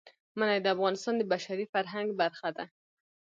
منی د افغانستان د بشري فرهنګ برخه ده.